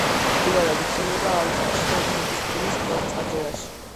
პირველად იხსენიება „ავესტაში“ და ბეჰისთუნის წარწერაში.